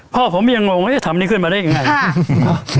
พ่อผมยังงงว่าจะทำนี้ขึ้นมาได้ยังไง